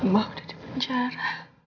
bapak udah dipenjara